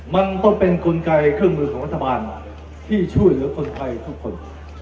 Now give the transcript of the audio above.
มันก็เป็นกลไกเครื่องมือของรัฐบาลที่ช่วยเหลือคนไทยทุกคน